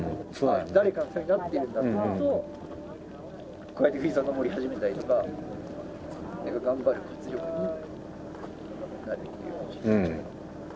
誰かのためになってるんだっていうことを、こうやって富士山登り始めたりとか、頑張る活力になる。